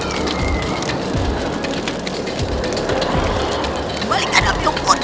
semua siap berburu